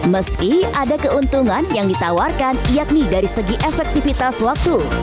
meski ada keuntungan yang ditawarkan yakni dari segi efektivitas waktu